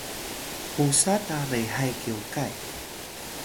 musa ta rehay kyokay